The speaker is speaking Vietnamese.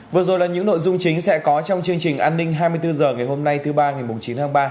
vừa rồi là những nội dung chính sẽ có trong chương trình an ninh hai mươi bốn h ngày hôm nay thứ ba ngày chín tháng ba